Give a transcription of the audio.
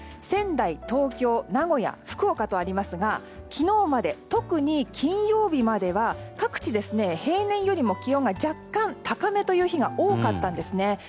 仙台、東京、名古屋福岡とありますが昨日まで、特に金曜日までは各地、平年よりも気温が若干高めという日が多かったんです。